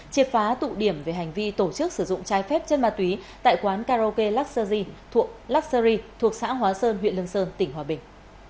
chiếp phá tụ điểm về hành vi tổ chức sử dụng trái phép chất ma túy tại quán karaoke luxury thuộc xã hóa sơn huyện lương sơn tỉnh hòa bình